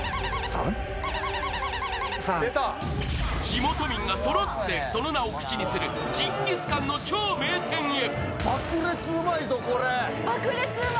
地元民がそろってその名を口にするジンギスカンの超名店へ。